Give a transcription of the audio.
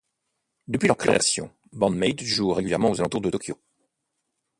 Depuis leur création, Band-Maid joue régulièrement aux alentours de Tokyo.